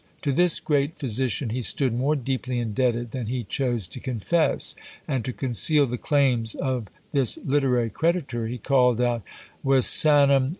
To this great physician he stood more deeply indebted than he chose to confess; and to conceal the claims of this literary creditor, he called out _Vesanum!